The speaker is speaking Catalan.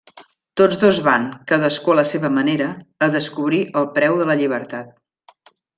Tots dos van, cadascú a la seva manera, a descobrir el preu de la llibertat.